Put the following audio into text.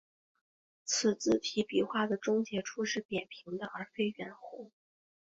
此字体笔画的终结处是扁平的而非圆弧。